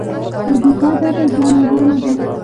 خو دفاع دلته ځان وژنه ده.